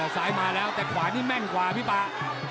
ซ้ายมาแล้วแต่ขวานี่แม่นกว่าพี่ป่า